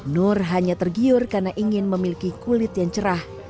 nur hanya tergiur karena ingin memiliki kulit yang cerah